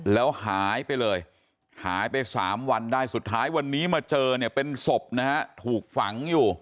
แล้วหายไปเลยหายไป๓วันได้สุดท้ายวันนี้มาเจอเนี่ยเป็นศพนะฮะถูกฝังอยู่